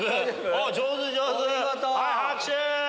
はい拍手！